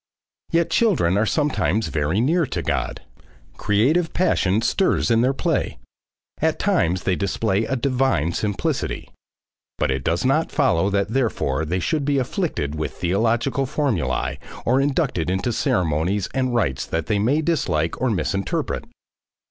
Yet children are sometimes very near to God. Creative passion stirs in their play. At times they display a divine simplicity. But it does not follow that therefore they should be afflicted with theological formulae or inducted into ceremonies and rites that they may dislike or misinterpret.